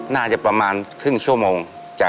น่าจะประมาณครึ่งชั่วโมง